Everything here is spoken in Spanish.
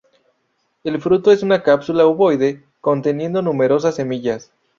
El fruto es una cápsula ovoide, conteniendo numerosas semillas.